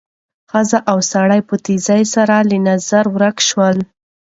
ښځه او سړی په تېزۍ سره له نظره ورک شول.